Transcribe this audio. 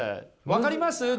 分かります？